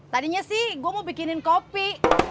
tadinya sih gue mau bikinin kopi